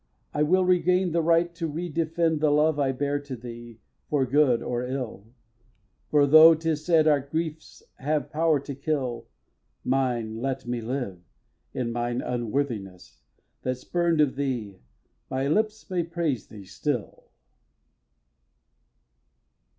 I will re gain the right to re defend The love I bear to thee, for good or ill. For though, 'tis said, our griefs have power to kill, Mine let me live, in mine unworthiness, That, spurn'd of thee, my lips may praise thee still!